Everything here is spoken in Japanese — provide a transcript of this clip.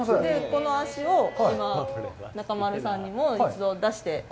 この脚を今、中丸さんにも一度出して。